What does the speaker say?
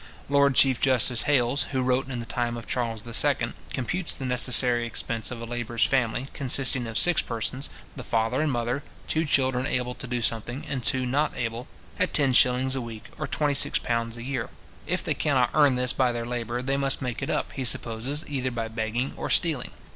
Lord chief justice Hales, who wrote in the time of Charles II. computes the necessary expense of a labourer's family, consisting of six persons, the father and mother, two children able to do something, and two not able, at ten shillings a week, or twenty six pounds a year. If they cannot earn this by their labour, they must make it up, he supposes, either by begging or stealing.